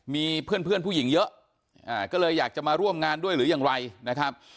มีเพื่อนผู้หญิงเยอะก็เลยอยากจะมาร่วมงานด้วยหรือยังไรนะครับ